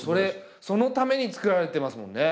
そのために作られてますもんね。